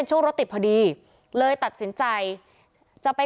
กระทั่งตำรวจก็มาด้วยนะคะ